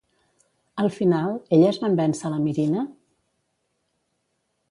Al final, elles van vèncer la Mirina?